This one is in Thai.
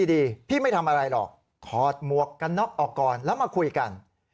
พี่ไม่ทำอะไรหรอกถอดหมวกกันน็อกออกก่อนแล้วมาคุยกัน